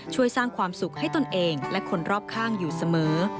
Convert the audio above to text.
ช่วยสร้างความสุขให้ตนเองและคนรอบข้างอยู่เสมอ